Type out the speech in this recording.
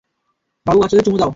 বাবু, বাচ্চাদের চুমু দাও।